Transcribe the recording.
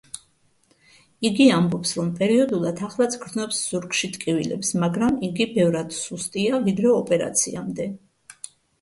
იგი ამბობს, რომ პერიოდულად ახლაც გრძნობს ზურგში ტკივილებს, მაგრამ იგი ბევრად სუსტია, ვიდრე ოპერაციამდე.